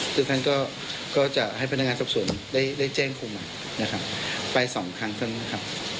คือท่านก็จะให้พนักงานสอบสวนได้แจ้งคุมนะครับไปสองครั้งเท่านั้นนะครับ